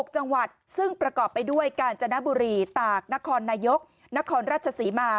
๖จังหวัดซึ่งประกอบไปด้วยกาญจนบุรีตากนครนายกนครราชศรีมา